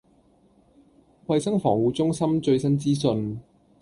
衞生防護中心最新資訊